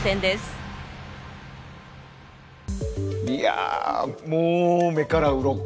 いやもう目からウロコ。